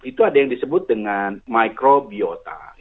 itu ada yang disebut dengan microbiota